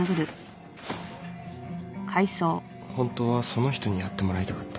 本当はその人にやってもらいたかった？